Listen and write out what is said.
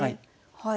はい。